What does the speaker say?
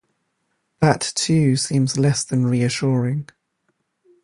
That too, seems less than reassuring.